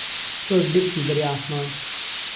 تۆز گرتی بەری عاسمان